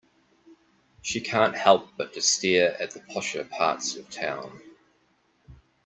She can't help but to stare at the posher parts of town.